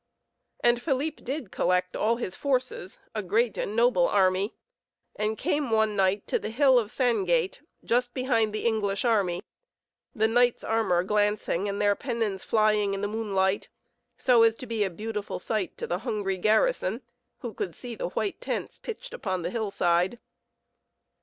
And Philippe did collect all his forces, a great and noble army, and came one night to the hill of Sangate, just behind the English army, the knights' armor glancing and their pennons flying in the moonlight, so as to be a beautiful sight to the hungry garrison who could see the white tents pitched upon the hillside.